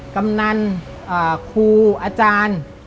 กำนันครูอาจารย์